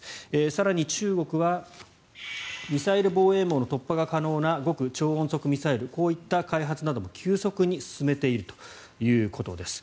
更に、中国はミサイル防衛網の突破が可能な極超音速ミサイルこういった開発なども急速に進めているということです。